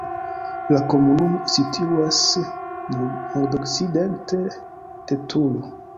La komunumo situas nordokcidente de Turo.